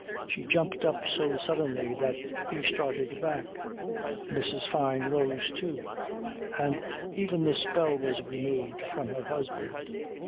She jumped up so suddenly that he started back. Mrs. Fyne rose too, and even the spell was removed from her husband.